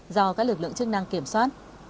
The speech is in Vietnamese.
do các lực lượng chức năng kiểm soát